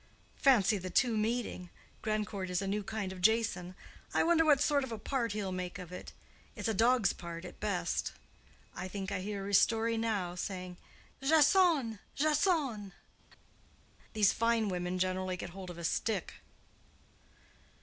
Fancy the two meeting! Grandcourt is a new kind of Jason: I wonder what sort of a part he'll make of it. It's a dog's part at best. I think I hear Ristori now, saying, 'Jasone! Jasone!' These fine women generally get hold of a stick."